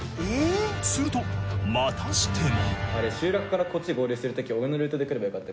するとまたしても。